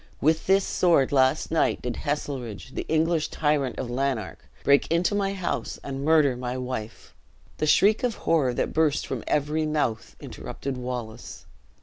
With this sword, last night, did Heselrigge, the English tyrant of Lanark, break into my house, and murder my wife!" The shriek of horror that burst from every mouth, interrupted Wallace.